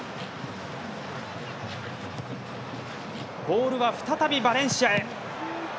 ボールは再びバレンシアへ。